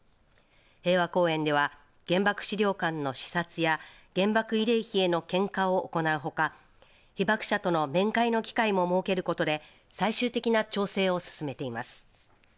平和公園では原爆資料館の視察や原爆慰霊碑への献花を行うほか被爆者との面会の機会も設けることで最終的な調整を進めています。